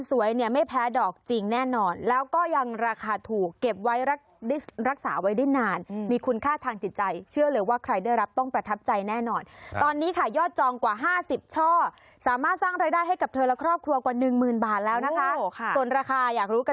สองอันหรอรีบสั่งนะ